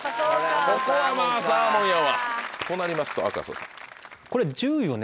ここはまぁサーモンやわ。となりますと赤楚さん。